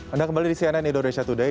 anda kembali di cnn indonesia today